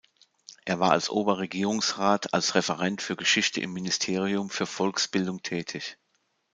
Er war als Oberregierungsrat als Referent für Geschichte im Ministerium für Volksbildung tätig.